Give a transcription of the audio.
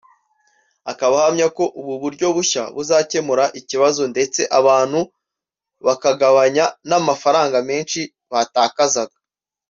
akaba ahamya ko ubu buryo bushya buzakemura iki kibazo ndetse abantu bakagabanya n’amafaranga menshi batakazaga